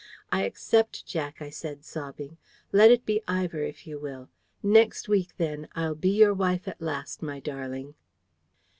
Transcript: "I accept, Jack," I said, sobbing. "Let it be Ivor, if you will. Next week, then, I'll be your wife at last, my darling!"